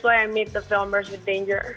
itulah kenapa saya bertemu film brush with danger